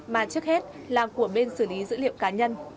mà trước hết là của bên xử lý dữ liệu cá nhân